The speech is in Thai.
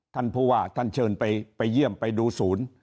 ท่านผู้ว่าท่านเชิญไปเยี่ยมไปดูศูนย์